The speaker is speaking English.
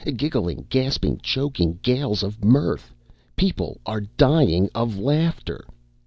Giggling, gasping, choking ... gales of mirth. People are dying of laughter